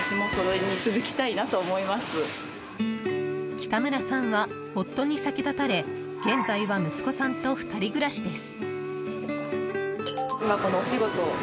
北村さんは夫に先立たれ現在は息子さんと２人暮らしです。